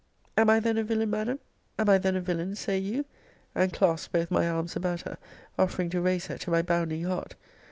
Am I then a villain, Madam? Am I then a villain, say you? and clasped both my arms about her, offering to raise her to my bounding heart.